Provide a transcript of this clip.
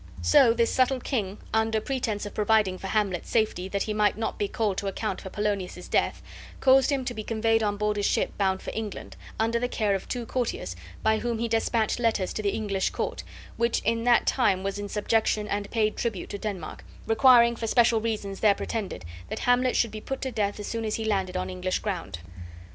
So this subtle king, under pretense of providing for Hamlet's safety, that he might not be called to account for Polonius's death, caused him to be conveyed on board a ship bound for England, under the care of two courtiers, by whom he despatched letters to the English court, which in that time was in subjection and paid tribute to Denmark, requiring, for special reasons there pretended, that Hamlet should be put to death as soon as he landed on English ground.